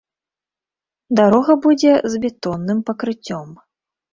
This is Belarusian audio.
Дарога будзе з бетонным пакрыццём.